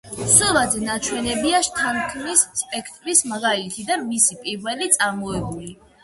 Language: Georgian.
სურათზე ნაჩვენებია შთანთქმის სპექტრის მაგალითი და მისი პირველი წარმოებული.